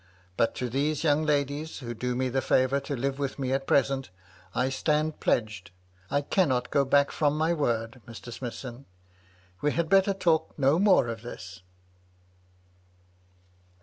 But to ^these young ladies, who do me the fsiyour to live with me at present, I stand pledged. I cannot go back from my word, Mr. Smithson. We had better talk no more of this."